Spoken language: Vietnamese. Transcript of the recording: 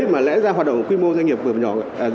mà lẽ ra hoạt động quy mô doanh nghiệp vừa nhỏ